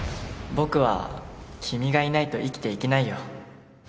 僕は君がいないと生きていけないよ